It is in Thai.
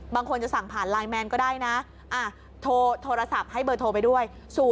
บางคนจะสั่งผ่านไลน์แมนก็ได้นะโทรศัพท์ให้เบอร์โทรไปด้วย